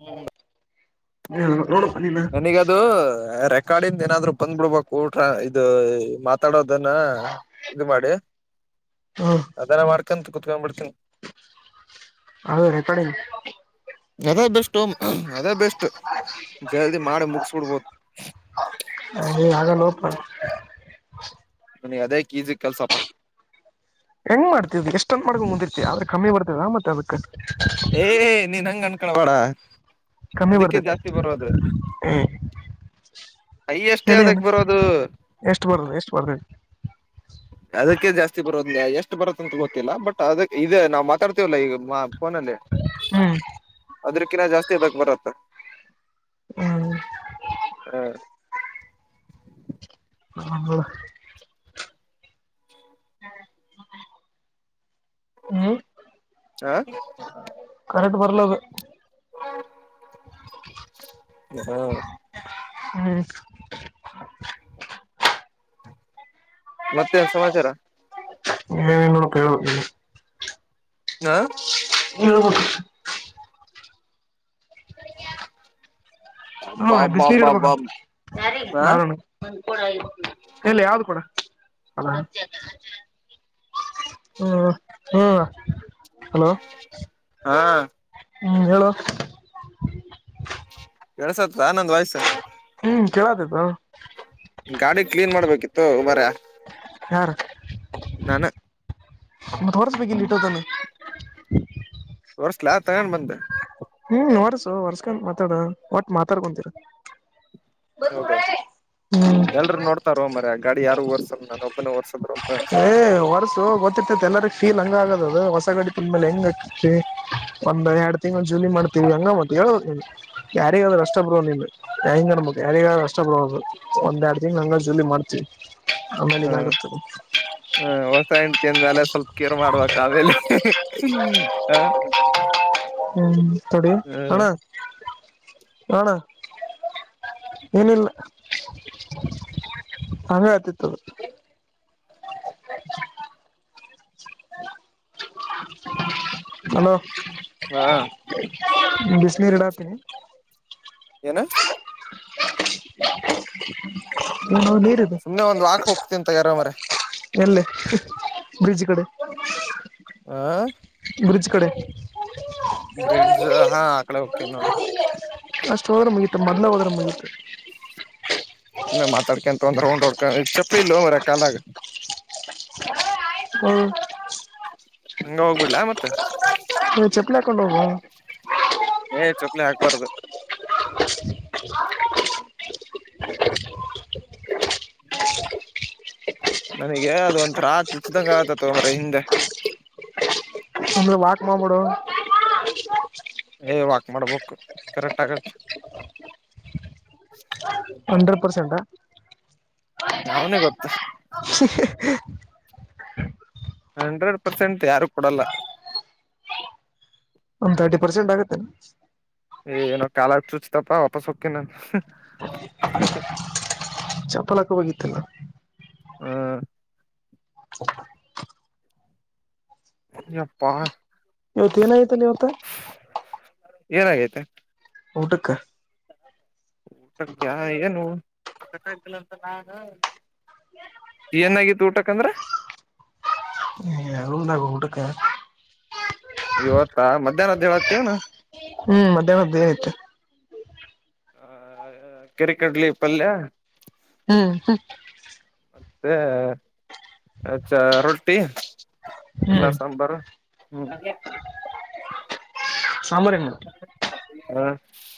ಹ್ಮ್. [inaudible] ಹ್ಮ, ನೋಡು. [inaudible] ನಿಂಗೆಅಧು, ರೆ. [inaudible] ಕಾಡಿಂದ, ಏನಾದ್ರು ಬಂದ್ ಬಿಡ್ಬೇಕು! ಊಟ್ರ ಇದು, ಮಾತಾಡೋದನ್ನ ಇದು ಮಾಡಿ. ಹ್ಮ [inaudible] ಅದನ್ನೇ ಮಾಡ್ಕೊಂಡು, ಕುಂತು, ಬಿಡು. [unintelligible] ಅದು ರೆಕಾರ್ಡಿಂಗ್ ಅದೇ ಬೆಸ್ಟ್. [unintelligible] ಹ. [inaudible] ಜಲ್ದಿ, ಮಾಡಿ, ಮುಗಿಸಿ ಬಿಡಬಹುದು. [unintelligible] ತೋರಿಸುಬ್ಬ. [unintelligible] ನಂಗೆ, ಅದೇ, ಈಸಿ, ಕೆಲ್ಸ್ಹಪ್ಪ. [inaudible] ಹೆಂಗ್, ಮಾಡ್ತವಿ! ಎಷ್ಟಂದ್ ಮಾಡ್ಕ ಮುಂದಿರ್ತಿ ಆದ್ರೆ ಕಮ್ಮಿ ಬರ್ತದ ಮತ್ತೆ ಅದಕ್. [unintelligible] ಏ, ನೀನ್ ಹಂಗು, ಅನ್ಕೋಬೇಡ. [unintelligible] ಕಮ್ಮಿ, ಬರ್ತೈತಿ ಹ್ಮ. [unintelligible] ಹೈಯೆಸ್ಟ್ ಹೇಳಿ, ಅಣ್ಣ, ಅದಕ್ ಬರೋದು ಎಷ್ಟು! ಬರ್ದು, ಎಷ್ಟು ಬರ್ದ. [unintelligible] ಅದಕ್ಕೆ, ಜಾಸ್ತಿ ಬರೋದ ಎಷ್ಟ್ ಬರತ್ ಅಂತ ಗೊತ್ತಿಲ್ಲ ಬಟ್ ಅದ ಇದೇ, ನಾವು ಮಾತಾಡ್ತಿವಲ್ಲ ಈ. [unintelligible] ಫೋನಲ್ಲಿ, ಹ್ಮ್ ಅದ್ರಕಿನ, ಜಾಸ್ತಿ, ಬರುಬೇಕುಬರುತ್ತೆ. ಹ್ಮ್ [unintelligible] ಹ. [inaudible] ಹಾಂಗ. [inaudible] ಹ್ಮ. [unintelligible] ಆ. [inaudible] ಕರೆಕ್ಟ್, ಬರಲಾಧು. [inaudible] ಹಾ. [inaudible] ಹ್ಮ್. [inaudible] ಮತ್ತೇನ್, ಸಮಾಚಾರ? [inaudible] ಏನೇನ್ ಮಾಡ್ಬೇಕ್ ಹೇಳ್ಬೇಕು ನಿನ್ನೇ? [unintelligible] ಹಾ. [unintelligible] ಏನು, ಹೇಳ್ಬೇಕು? [unintelligible] ಅಬ್ಬಾ ಹ್ಮ್ಮ್, ಅಬ್ಬಾ ಬಿಸ್ನೀರ್, ಅಬ್ಬಾ ಅಬ್ಬಾ ಇಡಬೇಕಂತೆ, ಯಾರಿಗೆ, ಹಾ ನಾರಾಯಣಿಗೆ, ಕೊಡಹೇಳಿ, ಎಲ್ಲಿ, ಯಾವ್ದು, ಕೊಡ. [unintelligible] ಹ, ಹ್ಮ್, ಹ್ಮ್. [unintelligible] ಹಾ. [unintelligible] ಹ್ಮ್, ಹೇಳು. [unintelligible] ಕೇಸುತ, ನ್ನನ್ನು ವಾಯ್ಸ್? [unintelligible] ಕೆಳತೈತೋ! [unintelligible] ಗಾಡಿ, ಕ್ಲೀನ್ ಮಾಡ್ಬೇಕಿತ್ತು! ಬಾರ. [unintelligible] ಯಾರು? [unintelligible] ಮತ್ತೆ ತೋರಿಸಬೇಕಿಲ್ಲಿಟ್ಟಿರೋದನ್ನ. [unintelligible] ತೋರ್ಸಲ ತಗೋ ಬಂದು. [inaudible] ಹ್ಮ್, ವರ್ಸು ಹೊರ್ಸ್ಕೊಂಡು, ಮಾತಾಡು, ಒಟ್ ಮಾತಾಡ್ಕೊಂಡು ಕುಂತಿರು. [inaudible] ಹೌದಾ, ಎಲ್ರುೂ ನೋಡ್ತಾರೋ, ಮಾರಾಯ, ಆ ಗಾಡಿ ಯಾರು ಒರ್ಸಲ್ಲ ನಾನು, ಒಬ್ಬನೆ, ಒರ್ಸದ್ರು. [inaudible] ಏ, ವರ್ಸು ಗೊತ್ತಿರ್ತೇತಿ, ಎಲ್ಲರಿಗೆ? [unintelligible] ಫೀಲ್, ಹಂಗ ಆಗದ ಅದು! ಹೊಸ ಗಡಿ ತಂದು, ಮೇಲೆ ಹೆಂಗ್ ಆತಿ ಒಂದ್ ಎರಡ್ ತಿಂಗಳು, ಜಾಲಿ, ಮಾಡ್ತವಿ ಹಂಗ ಮತ್ತೆ. [unintelligible] ಲೋ, ಯಾರಿಗಾದ್ರೂ, ಆಸ್ಟೆಬ್ರೋ, ನಿಮ್ಂಗ ನ ಯಾರಿಗರು ಅಷ್ಟೇ, ಬ್ರೋ, ಒಂದ್, ಎರಡು ತಿಂಗಳು. [unintelligible] ಹ್ಯಾಂಗ್ವಾಂಡ್ರೆ, ಜಾಲಿ, ಮಾಡ್ತೀ, ಆಮೇಲೆ ಇದಾಗುತ್ತದೆ? [unintelligible] ಹ್ಮ, ಹೊಸ, ಹೆಂಡತಿ, ಅಂದಮೇಲೇ, ಸ್ವಲ್ಪ ಕೇರ್ ಮಾಡ್ಬೇಕ್, ಅಮೇಲೆಲಿ, ಹ. [unintelligible] ಹ್ಮ್ ಕೊಡ ಹಣ್ಣ ಹಣ ಏನಿಲ್ಲ ಹೇ ಅತತ್ತು [unintelligible] ಅಲೋ ಹಾ ಬಿಸಿನೀರಿಡ ಹತೀನಿ ಏನ [unintelligible] ಏನೋ ನೀರಿದೆ ಸುಮ್ನೆ ಒಂದ್ ವಾಕ್ ಹೋಗ್ತಿ ಅಂತ ಯಾರ ಮ್ರ ಎಲ್ಲೆ ಬ್ರಿಡ್ಜ್ ಕಡೆ ಆ ಬ್ರಿಡ್ಜ್ ಕಡೆ ಬ್ರಿಡ್ಜ್ ಹಾ ಆ ಕಡೆ ಹಕೇ ನೋಡ ಅಷ್ಟು ಹೋದ್ರೆ ಮುಗಿಯತ ಮೊದ್ಲು ಹೋದ್ರೆ ಮುಗಿಯತ ಇೆ ಮಾತಾಡ್ಕಂತ ಒಂದ ರೌಂಡ್ಡ್ಕ ಚಪ್ಪಲಿ ಇಲ್ಲ ಮರ ಕಾಲಾಗ ಹ್ಮ್ ಹಂಗ ಹೋಗ್ಬಿಡ್ಲ ಮತ್ತೆ ಚಪ್ಪಲಿ ಹಾಕೊಂಡ್ ಹೋಗುವ ಏ ಚ ಹಾಕ್ಬಾರ್ದು [unintelligible] ನನಗೆ ಯ್ದ ಒಂತ ರಾತ್ರಿ ಚಿದಂಗ ಆತ ತೊ ಮರ ಹಿಂದೆ ನ ವಾಕಮ ಬಿಡ ಏ ವಾಕ್ ಮಾಡ್ಬೇಕು ಕರೆಕ್ಟ್ ಆಗತ್ತೆ ಹಂಡ್ರೆಡ್ ಪರ್ಸೆಂಟ್ಾ ಯಾವನ ಗೊತ್ತು ಹಂಡ್ರೆಡ್ ಪರ್ಸೆಂಟ್ ಯಾರು ಕೊಡಲ್ಲ ಒಂದು್ ತರ್ಟಿ ಪರ್ಸೆಂಟ್ ಆಗುತ್ತೆನೆ ಏ ಏನೋ ಕಾಲ ಚೂಚ ತಪ್ಪ ಒಪ ಸಕೆ ನನ್ ಚಪ್ಪಲ ಹಾಕಬೇಕತ್ತಲ್ಲ ಹ ಹ ಅಪ್ಪಾ ಇವತ್ತು ಏನ ಐ್ತಲ್ಲ ಇವತ ಏನಾಗೈತೆ ಊಡುಕ್ಕ ಹ ಶಕ್ಯ ಏನು ಏನಾಗಿತ್ತು ಊಟಕಂದ್ರ ಹ ನಂದಾ ಕೂಟಕ್ಕ ಇವತ್ತಾ ಮಧ್ಯಾಹ್ನಧ್ಯೇವತವನು ಹ್ಮ್ ಮಧ್ಯಾಹ್ನದ್ದ ಏನಾಯತ್ತು ಆ ಕೆರೆ ಕಡ್ಲಿ ಪಲ್ಯ ಹ್ಮ್ ಹ್ಮ ಹ ಅಾ ರೊಟ್ಟಿ ಅನ್ನ ಹ್ಮ್ ಸಾಂಬಾರ ಹ್ಮ ಅದ ಸಾಮ್ರ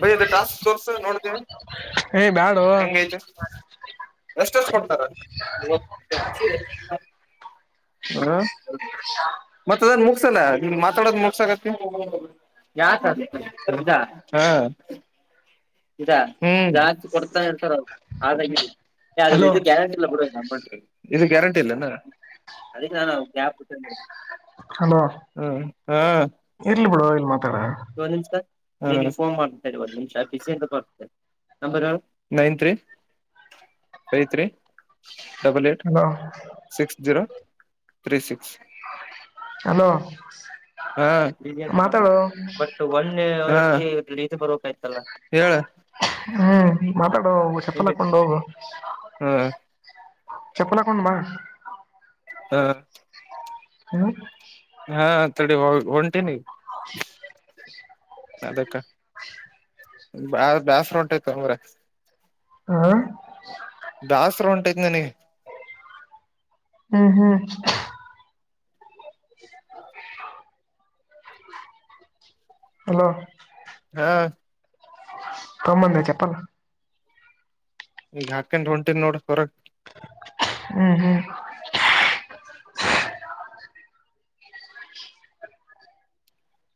ಬಯ ಅದ ಟಾಸ್ಕ್ ಫೋರ್ಸ್ ನೋಡ್ತೇವಿ ಏ್ ಬ್ಯಾಡು ಎಷ್ಟ ಎಷ್ಟ ಕೊಡ್ತಾರರ್ ಹ್ಮ ಮತ್ತ ಅದನ್ ಮುಗಸಲ್ಲ ನಿ ಮಾತಾಡದು ಮುಗಸಕತ್ತ ಯಾಜಾ ಹಾ ಇದಾ ಜಾಸ್ತಿ ಕೊಡ್ತಾ ಇರ್ತಾರೆ ಅವರು ಆದಾಗ ಅದು ಹಲೋ ಇದು ಗ್ಯಾರಂಟಿಲ್ಲ ಕೊಡ ಬಟ್ ಇದು ಗ್ಯಾರಂಟಿ ಇಲ್ಲ ಅದಕ್ಕೆ ನ ಕ್ಯಾಪ್ ಬಿಟ್ಟ ಹಲೋ ಹಾ [unintelligible] ಇರ್ಲಿ ಬಿಡೋ ಇನ್ ಮತ್ತ್ ಯವ ನಿಂ ಸ [unintelligible] ಹ ಪೋನ್ ಮಾಡ್ತೀನಿ ತಡಿ ಒಂದ್ ನಿಮಿಷ ಬಿಸಿ ಇರ್ಬೇಕು ನಂಬರ್ ಹೇಳ್ nine three five three double eight hello six zero three six hello ಹಾ ಅಂತ ಮಾತಾಡು ಬರ್ದು ಬಟ್ ಒನೆ [unintelligible] ಹ್ ಡೀ ಬರಾಯ್ತಲ್ಲ ಹೇಳ್ ಹ್ಮ್ ಮಾತಾಡು ಹೋಗ್ ಚಪ್ಪಲ್ ಲಿಮಿಟ್ ಹಾಕೊಂಡ್ ಹೋಗು. ಹಾ ಚಪ್ಪಲ್ ಹಾಕೊಂಡು ಬಾ. ಹಾ ಹಲೋ ಹಾ ತಡೆ ಒ ಒನ್ ಟೈಮಿಗೆ ಅದಕ್ಕ ಬ್ಯಾ ಬೇಸ್ರ ಒಂಟೈತ್ ತಗೋ ಬಾರೆ. ಹ ಬ್ಯಾಸರ ಒಂಟೈತ್ ನನಿಗೆ ಹ್ಮ್ ಹ್ಮ್ ಹಲೋ ಹಾ ತೊಂಬಂದಿ ಚಪ್ಪಲ್ಲ ಈಗ ಹಾಕಂಡ್ ಹೊಂಟಿದ್ ನೋಡ್ ಹೊರಗ. ಹ್ಮ್ ಹ್ಮ್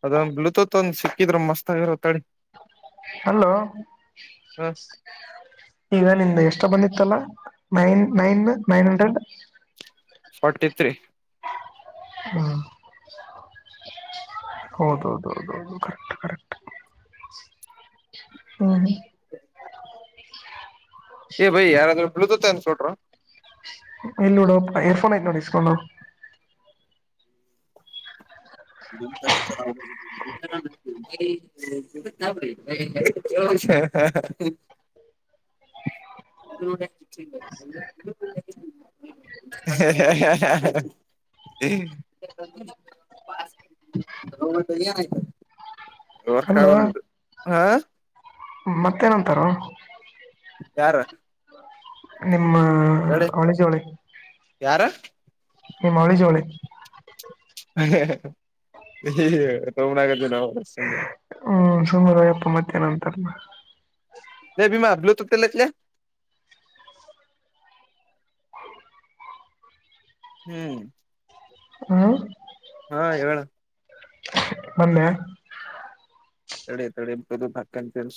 ಅದೊಂದ್ ಬ್ಲೂತೂತ್ ಒಂದ್ ಸಿಕ್ಕಿದ್ರೆ ಮಸ್ತ್ ಆಗಿರೊತ್ ತಡಿ ಹಾ [unintelligible] ಹ ಈಗ ನಿನ್ ಎಷ್ಟೊ ಬಂದಿತ್ತಲ್ಲ nine nine nine hundred. Forty three ಹಾ ಹೌದ್ ಹೌದ್ ಹೌದ್ ಹೌದು ಕರೆಕ್ಟ್ ಕರೆಕ್ಟ್ ಹ್ಮ [unintelligible] ಏ ಬೈ ಯಾರಾದರು ಬ್ಲೂತೂತ್ ಸೂಟ್ರೂ ಇಲ್ಲಿ ನೋಡ್ ಏರಪೋನ್ ಐತಿ ನೋಡ್ ಇಸ್ಕೊಂಡು ಹೋಗ್. ನಂತರ [unintelligible] ಹ ಹ ಹ [unintelligible] ಹೆ ಹೆ ಹೆ ಅಲ್ಲ ರ್ಕಾಗಂದುದು [unintelligible] ಹಾ ಮತ್ತೇನ್ ಅಂತಾರೊ ಯಾರು ನಿಮ್ಮ ಅವಳಿ ಜವಳಿ ಯಾರಾ ನಿಮ್ಮ್ ಅವಳಿ ಜವಳಿ ಹೆ ಹೆ ಹಿ ಹಿ ಸುಮ್ಮನ್ ಆಗೋದ್ವಿ ನಾವು ಸುಮ್ಮನೆ. ಹ್ಮ್ ಸುಮರಯ್ಯ ಪುಮತಿನ ಮಧ್ಯಾಹ್ನ ಅಂತಾರ ಅಲ್ಲ ಎ ಭೀಮ ಬ್ಲೂತೂತ್ ಎಲ್ಲಿ ಐತ್ ಲೇ ಹ್ಮ್ ಹ್ಮ ಹಾ ಹೇಳ ಅಣ್ಣ. ಮನ್ನೆ ತಡೆ ತಡೆೆ [unintelligible]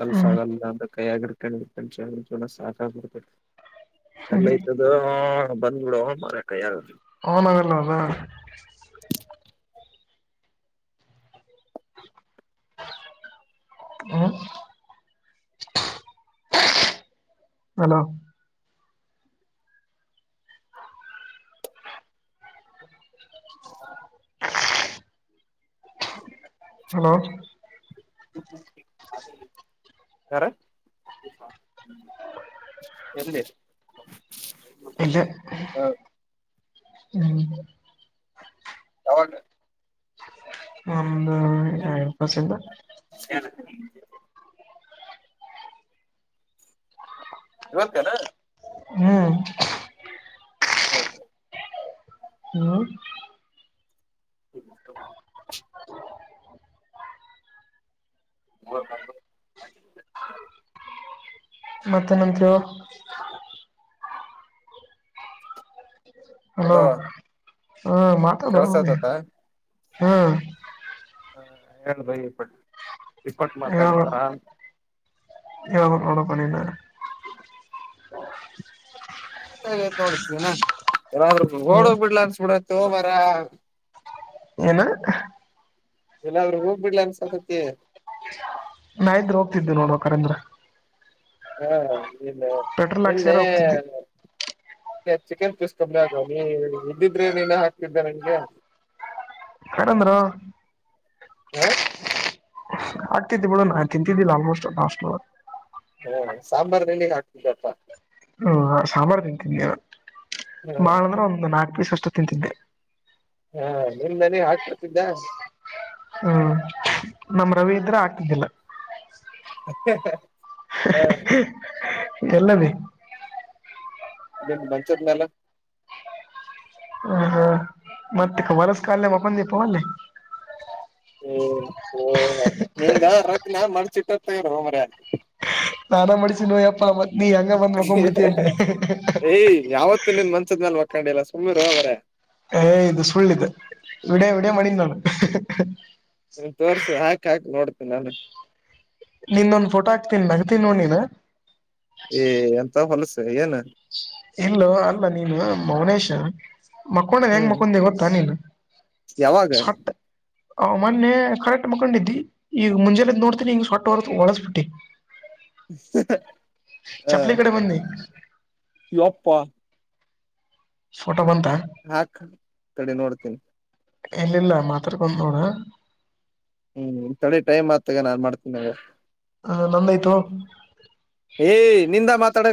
ಕಲ್ಸ ಹ್ಮ್ ಆಗಲ್ಲ ಅಂದ್ರ್ ಕೈಯಗ ಇಡ್ಕೊಂಡು ಹಡ್ಕೊಂಡ್ ಜನ ಸಾಕಾಗ್ಬಡ್. ಎಲ್ಲಐ್ತದ ಬಂದ್ಗಳು ಮಾರಾಕ್ಕ ಯಾರಾದೂ ಹನ್ದಲ್ಲ ಅಲ್ಲ ಹ್ಮ್ ಹಲೋ ಹಲೋ ಯಾರ ಎಲ್ಲಿ ಇಲ್ಲಿ ಯಾವಾಗ ಹ್ಮ ವಸಿಂದು [unintelligible] ಇಲ್ವಂತೆೇನೋ ಹ್ಮ್ [unintelligible] ಹ್ಮ್ [unintelligible] [unintelligible] [inaudible] ಹಲೊ. ಮಾತಾಡೊ ಹ್ಮ್. ಹಾ ಹೇಳಬೈ ಇಪಟ್ಟ ಇಪಟ್ಟ ಮಾತಾಡ್ತಾರ ಹೆಳ್ಬೆಕ ನೋಡಪ ನಿನ. ಆ ನೋಡತವಿನಾ ಯಾದ್ರರು ಓಡ ಹ್ಮ ಬಿಡ್ಲ ಅನ್ಸಬ ಬಿಡತ್ ಮಾರಯ್ಯಾ. ಏನ ಎಲ್ಲಾರು ಹೋಗ್ಬಿಡ್ಲ ಅನ್ಸತತಿ. ನಾ ಇದ್ರೆ ಹೋಗ್ತಿದ್ದ್ ನೋಡುವ ಕಖರೇಂದ್ರ. ಹಾ ಇಲ್ಲ ನಿನ್ನೆ. ಹಾಕ್ಸ್ಯಾರ ಹೋಗ್ತಿದ್ದೆ ಚಿಕನ್ ಪೀಸ್ ಕಮ್ಮಿ ಆಗ ನೀ ಇದ್ದಿದ್ರೆ ನೀನೇ ಹಾಕ್ತಿದ್ದೆ ನಂಗೆ. [inaudible] ಕಡಂದ್ರ. [inaudible] ಹಾಕ್ತಿದ್ದಿ ಬಿಡ ತಿಂತಿರಲಿಲ್ಲ ಆಲ್ಮೋಸ್ಟ್ ಲಾಷ್ಟ. ಹ್ಮ ಸಾಂಬಾರ್ ಎಲ್ಲಿಗ್ ಹಾಕ್ತಿದಪ್ಪ. ಹ್ಮ ಸಾಂಬಾರ್ ತಿಂತೀನಿ ಹಾ ಬಾಳ ಅಂದ್ರೆ ಒಂದ್ ನಾಲ್ಕ್ ಪೀಸ್ ಅಷ್ಟು. ತಿಂತಿದ್ದೆ. ಹಾ ನಿನ್ನ ನಿಗ ಹಾಕ್ಬಡ್ತಿದ್ದ. ಹ್ಮ್ ನಮ್ ರವಿ ಇದ್ರೆ ಆಗ್ತಿದ್ದಿಲ್ಲ. ಹಾ. ಎಲ್ಲದಿ. ಇಲ್ಲೇ ಮಂಚದ ಮೇಲೆ ಹ ಹಾ ಮತ್ತೆ ಹೊಲಸ ಕಾಲ ಒಪ್ಪಂದೀಪ ಅಲ್ಲಿ. ಹ ಓ ನಿಂದ ರಗ್ನ ಮರ್ಚಿಟ್ಟ ನೊಡೊ ಮಾರಯ್ಯಾ. ನಾನ ಮಡಸಿನ ನೋಯ್ಯಪ್ಪ ನೀ ಹೆಂಗ ಬಂದ್ ಮಕೊ್ ಬಿಿಡ್ತೇೆ. ತು ನಿನ್ ಮಂಚದ ಮೇಲೆ ಮಕ್ಕೂಂಡಿಲ್ಲ ಸುಮ್ಮಿರು ಮಾರಯ್ಯಾ ಏ ಇದು ಸುಳ್ಳ ಇದು ವಿಡ ವಿಡ ಮಾಡಿನ ನಾನು. ತೋರ್ಸು ಹಾಕ ಹಾಕ. [inaudible] ನಿನ್ನೊಂದ್ ಫೋಟೋ ಹಾಕ್ತೀನಿ ನಗ್ತೀನಿ ನೋಡ ನಿನ. ಏ ಎಂತ ಹೊಲಸ ಏನ. ಇಲ್ಲೋ ಮಕ್ಕೊಂಡ ಹೆಂಗ್ ಹ್ಮ್ ಮಕ್ಕೊಂಡೆ ಗೊತ್ತಾ ನೀನು ಯಾವಾಗ ಸ್ವಟ್ ಹ ಮೊನ್ನೆ ಕರೆಕ್ಟ್ ಮುಕೊಂಡಿದ್ದಿ ಈಗ ಮುಂಜೆದ ಎದ್ದು ನೋಡ್ತೀನಿ ಈಗ ಸೋಂಟ್ಟ ಹೊರ್ ಹೊಳಸ್ಬಿಟ್ಟಿ. [inaudible] ಚಪ್ಪಲಿ ಕಡೆ ಬನ್ನಿ. ಯೊಪ್ಪ. [inaudible] ಹಾಕ್ ತಡಿ ನೋಡ್ತೇನಿ. ಇಲ್ಲಿಲ್ಲ ಮಾತಾಡ್ಕೊಂಡ ನೋಡ. ಹ್ಮ ತಡಿ ಟೈಮ್ ಆತಗ ನಾನ್ ಮಾಡ್ತೀನಿ. ಹಾ ನಂದಾಯ್ತು. ಏಯ್ ನಿಂದ ಮಾತಾಡ